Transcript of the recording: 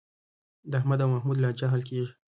د احمد او محمود لانجه حل کېږي.